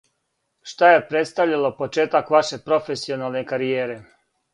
Шта је представљало почетак ваше професионалне каријере?